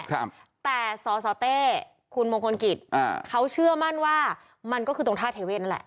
ครับแต่สอสอเต้คุณมงคลกิจอ่าเขาเชื่อมั่นว่ามันก็คือตรงท่าเทเวศนั่นแหละ